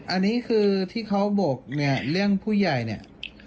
อันนี้คือที่เขาบกเนี่ยเรื่องผู้ใหญ่เนี่ย